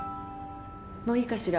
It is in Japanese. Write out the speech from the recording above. もういいかしら？